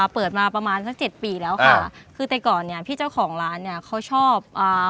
เปิดมากี่ปีแล้วครับ